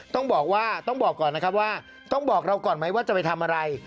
ต้องบอกว่าต้องบอกก่อนนะครับว่าต้องบอกเราก่อนไหมว่าจะไปทำอะไร